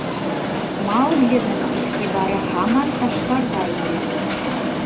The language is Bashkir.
Мауглиҙың иғтибары һаман таштарҙа ине.